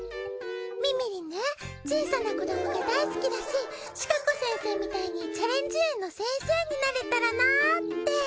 みみりんね小さな子どもって大好きだししかこ先生みたいにちゃれんじ園の先生になれたらなって。